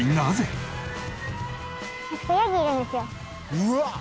うわっ！